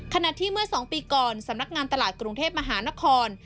ขณะที่เมื่อ๒ปีก่อนสำนักงานตลาดกรุงเทพมหานคร